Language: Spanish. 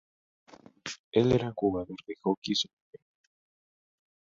Él era un jugador de hockey sobre hielo.